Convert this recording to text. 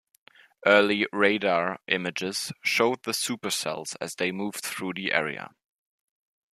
Early radar images showed the supercells as they moved through the area.